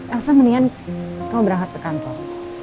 elsa mendingan kau berangkat ke kantor